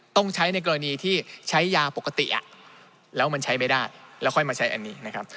ต้องใช้ในกรณีที่ใช้ยาปกติแล้วมันใช้ไม่ได้แล้วค่อยมาใช้อันนี้นะครับ